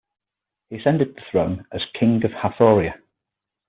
He ascended the throne as the King of Hathoria.